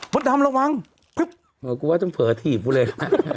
อ๋อมดดำระวังเหรอกูว่าต้องเผยถีบกูเลย